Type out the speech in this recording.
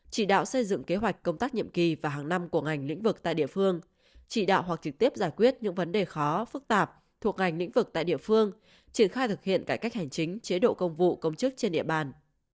chỉ đạo xây dựng kế hoạch công tác nhiệm kỳ và hàng năm của ngành lĩnh vực tại địa phương chỉ đạo hoặc trực tiếp giải quyết những vấn đề khó phức tạp thuộc ngành lĩnh vực tại địa phương triển khai thực hiện cải cách hành chính chế độ công vụ công chức trên địa bàn